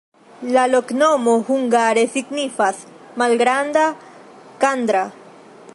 La loknomo hungare signifas: malgranda-kankra.